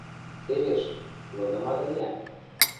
Тевеш лыдымада йӓ: